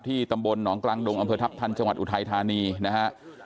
ตำบลหนองกลางดงอำเภอทัพทันจังหวัดอุทัยธานีนะฮะ